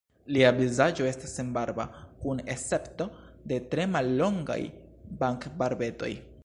Lia vizaĝo estas senbarba kun escepto de tre mallongaj vangbarbetoj.